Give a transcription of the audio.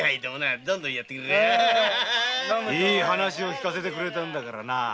いい話を聞かせてくれたんだからな。